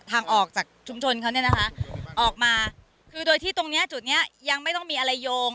ทางออกจากชุมชนเขาเนี่ยนะคะออกมาคือโดยที่ตรงเนี้ยจุดเนี้ยยังไม่ต้องมีอะไรโยง